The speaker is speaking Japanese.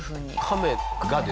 カメが。